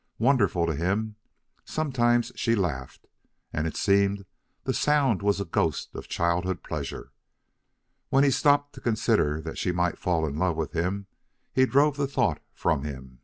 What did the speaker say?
Wonderful to him sometimes she laughed and it seemed the sound was a ghost of childhood pleasure. When he stopped to consider that she might fall in love with him he drove the thought from him.